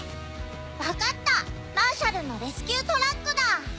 わかったマーシャルのレスキュートラックだ！